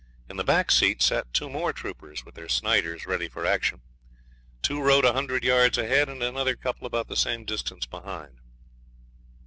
In the back seat sat two more troopers with their Sniders ready for action; two rode a hundred yards ahead, and another couple about the same distance behind.